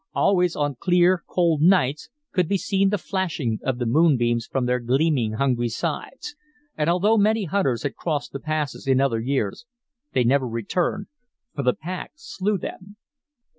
Always, on clear, cold nights, could be seen the flashing of the moonbeams from their gleaming hungry sides, and although many hunters had crossed the passes in other years, they never returned, for the pack slew them.